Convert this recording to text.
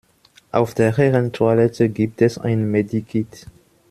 Auf der Herren-Toilette gibt es ein Medi-Kit.